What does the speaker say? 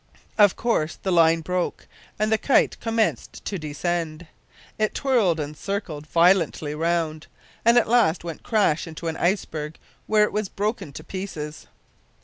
Of course the line broke, and the kite commenced to descend. It twirled and circled violently round, and at last went crash into an ice berg, where it was broken to pieces!